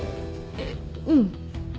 えっうん。